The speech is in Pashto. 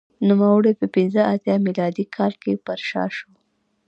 نوموړی په پنځه اتیا میلادي کال کې پرشا شو